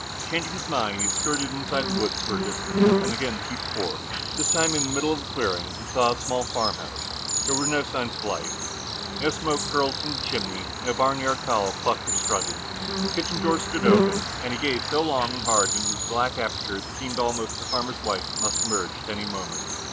Changing his mind, he skirted inside the woods for a distance, and again peeped forth. This time, in the middle of the clearing, he saw a small farmhouse. There were no signs of life. No smoke curled from the chimney, not a barnyard fowl clucked and strutted. The kitchen door stood open, and he gazed so long and hard into the black aperture that it seemed almost that a farmer's wife must emerge at any moment.